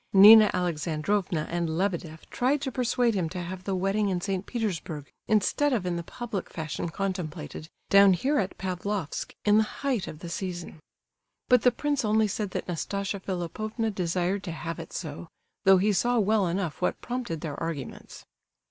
Nina Alexandrovna and Lebedeff tried to persuade him to have the wedding in St. Petersburg, instead of in the public fashion contemplated, down here at Pavlofsk in the height of the season. But the prince only said that Nastasia Philipovna desired to have it so, though he saw well enough what prompted their arguments.